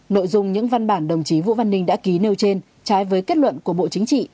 nội dung những văn bản đồng chí vũ văn ninh đã ký nêu trên trái với kết luận của bộ chính trị